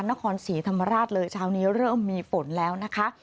นครศรีธรรมราชเลยเช้านี้เริ่มมีฝนแล้วนะคะ